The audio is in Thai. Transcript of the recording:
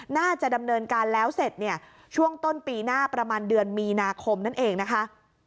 น่าจะดำเนินการแล้วเสร็จเนี่ยช่วงต้นปีหน้าประมาณเดือนมีนาคมนั่นเองนะคะ